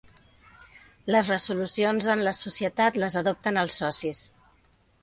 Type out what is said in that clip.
Les resolucions en la societat les adopten els socis.